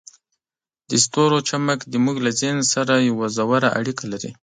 د ستورو چمک زموږ له ذهن سره یوه ژوره اړیکه لري.